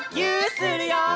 するよ！